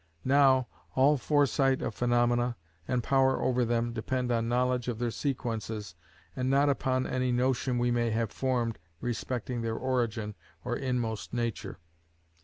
Now, all foresight of phaenomena, and power over them, depend on knowledge of their sequences, and not upon any notion we may have formed respecting their origin or inmost nature.